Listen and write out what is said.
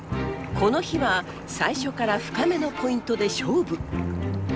この日は最初から深めのポイントで勝負！